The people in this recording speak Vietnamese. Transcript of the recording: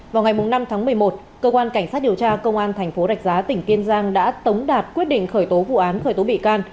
vào ngày năm tháng một mươi một cơ quan cảnh sát điều tra công an thành phố rạch giá tỉnh kiên giang đã tống đạt quyết định khởi tố vụ án khởi tố bị can